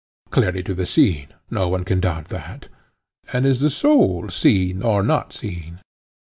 Clearly to the seen—no one can doubt that. And is the soul seen or not seen?